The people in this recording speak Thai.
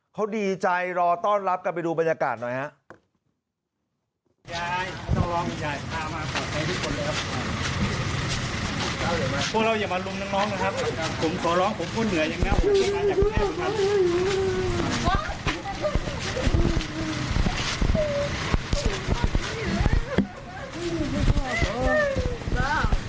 เขาดีใจรอต้อนรับกันไปดูบรรยากาศหน่อยครับ